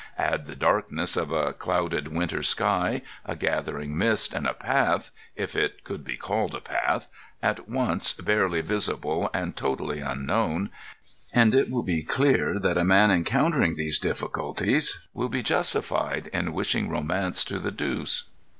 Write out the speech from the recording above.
Add the darkness of a clouded winter sky, a gathering mist, and a path—if it could be called a path—at once barely visible and totally unknown, and it will be clear that a man encountering these difficulties will be justified in wishing romance to the deuce.